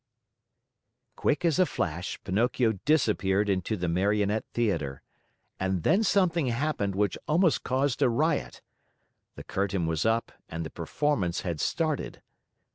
Quick as a flash, Pinocchio disappeared into the Marionette Theater. And then something happened which almost caused a riot. The curtain was up and the performance had started.